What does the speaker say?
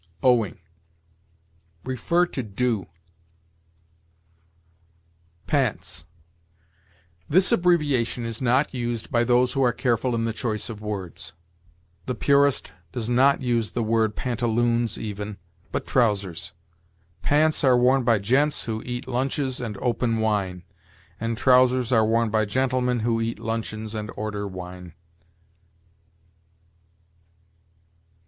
OWING. See DUE. PANTS. This abbreviation is not used by those who are careful in the choice of words. The purist does not use the word pantaloons even, but trousers. Pants are worn by gents who eat lunches and open wine, and trousers are worn by gentlemen who eat luncheons and order wine.